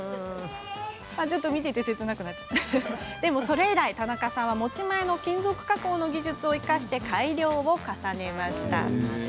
それ以来、田中さんは持ち前の金属加工の技術を生かして改良を重ねました。